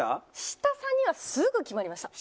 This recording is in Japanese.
下３人はすぐ決まりました。